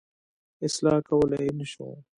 اصلاح کولای یې نه شو.